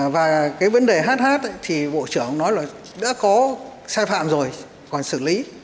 và cái vấn đề hát hát thì bộ trưởng nói là đã có sai phạm rồi còn xử lý